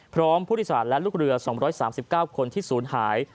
พร้อมผู้โดยสารและลูกเรือ๒๓๙คนที่ศูนย์หาย